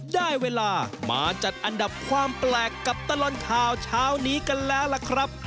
ได้เวลามาจัดอันดับความแปลกกับตลอดข่าวเช้านี้กันแล้วล่ะครับ